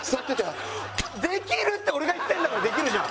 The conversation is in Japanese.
できるって俺が言ってるんだからできるじゃん！